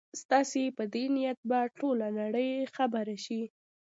ستاسي په دې نیت به ټوله نړۍ خبره شي.